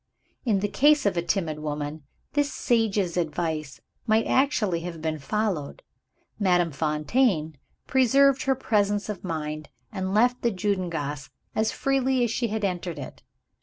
In the case of a timid woman, this sage's advice might actually have been followed. Madame Fontaine preserved her presence of mind, and left the Judengasse as freely as she had entered it.